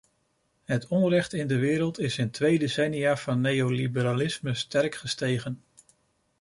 Het onrecht in de wereld is in de twee decennia van neoliberalisme sterk gestegen.